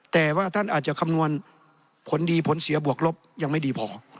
แต่ว่าท่านอาจจะคำนวณผลดีผลเสียบวกลบยังไม่ดีพอ